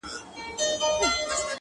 هغې ويل په پوري هـديــره كي ښخ دى ؛